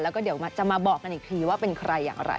แล้วก็เดี๋ยวจะมาบอกกันอีกทีว่าเป็นใครอย่างไร